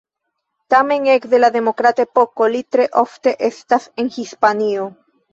Tamen ekde la demokrata epoko, li tre ofte estas en Hispanio.